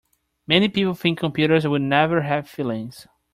Many people think computers will never have feelings.